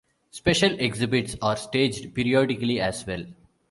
Special exhibits are staged periodically as well.